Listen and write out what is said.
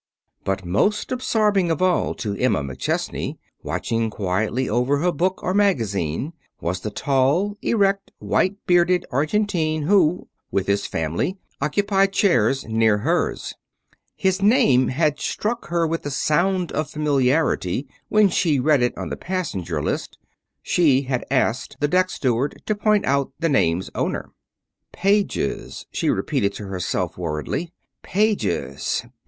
But most absorbing of all to Emma McChesney, watching quietly over her book or magazine, was a tall, erect, white bearded Argentine who, with his family, occupied chairs near hers. His name had struck her with the sound of familiarity when she read it on the passenger list. She had asked the deck steward to point out the name's owner. "Pages," she repeated to herself, worriedly, "Pages?